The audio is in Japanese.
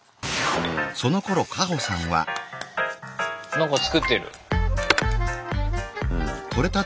なんか作ってる。